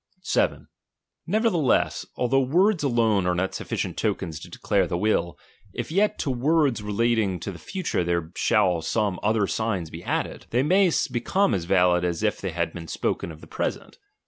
7. Nevertheless, although words alone are not w sufficient tokens to declare the will ; if yet to n'^ words relating to the future there shall some JV other signs be added, they may become as valid as ^ if they had been spoken of the present.